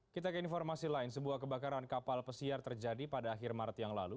kita ke informasi lain sebuah kebakaran kapal pesiar terjadi pada akhir maret yang lalu